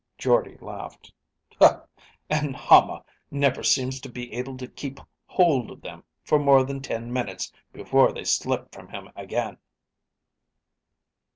Jordde laughed. "And Hama never seems to be able to keep hold of them for more then ten minutes before they slip from him again."